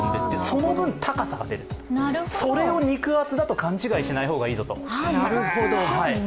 その分、高さが出る、それを肉厚だと勘違いしない方がいいぞと。